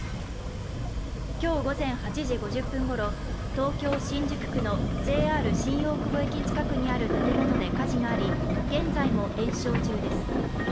今日午前８時５０分ごろ、東京・新宿区のＪＲ新大久保駅近くにある建物で火事があり現在も延焼中です。